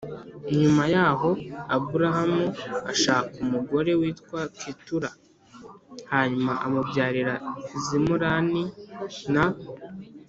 Nyuma Yaho Aburahamu Ashaka Undi Mugore Witwa Ketura I Hanyuma Amubyarira Zimurani Na